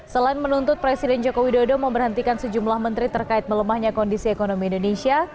selain menuntut presiden joko widodo memberhentikan sejumlah menteri terkait melemahnya kondisi ekonomi indonesia